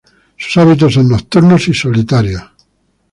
Sus hábitos son nocturnos y solitarios.